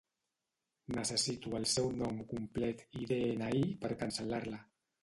Necessito el seu nom complet i de-ena-i per cancel·lar-la.